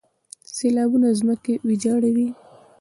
سیلابونه ځمکې ویجاړوي.